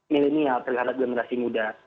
milenial terhadap generasi muda